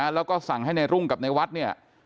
แล้วก็สั่งให้ในรุ่งกับในวัดเนี่ย